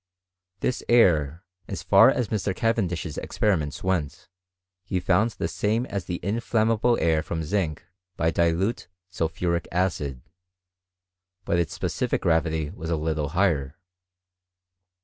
This air, as far aa Mr. Cavendish's experir ments went, he found the same as the inflammable air from zinc by dilute sulphuric acid; but its specific gravity was a little higher.